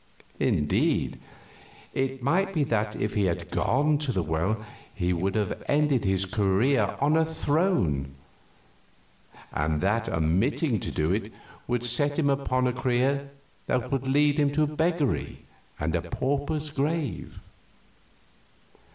Indeed, it might be that if he had gone to the well he would have ended his career on a throne, and that omitting to do it would set him upon a career that would lead to beggary and a pauper's grave.